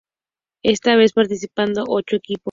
Esta vez participaron ocho equipos.